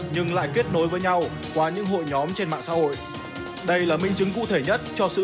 nhưng lại kết nối với nhau qua những hội nhóm trên mạng xã hội đây là minh chứng cụ thể nhất cho sự